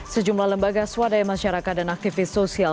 sejumlah lembaga swadaya masyarakat dan aktivis sosial